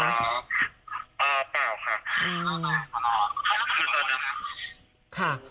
อ่าเปล่าค่ะเขาอยู่ตอนนี้ค่ะ